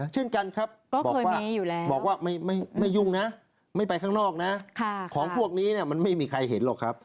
เช่นกันครับบอกว่าไม่ยุ่งนะไม่ไปข้างนอกนะของพวกนี้มันไม่มีใครเห็นหรอกครับ